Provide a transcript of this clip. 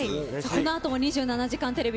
このあとも「２７時間テレビ」